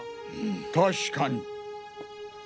確かに。